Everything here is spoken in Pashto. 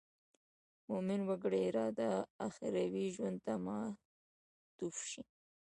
د مومن وګړي اراده اخروي ژوند ته معطوف شي.